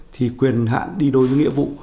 thì quyền hạn đi đôi những nghĩa vụ